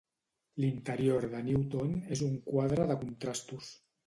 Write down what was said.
L'interior de Newton és un quadre de contrastos.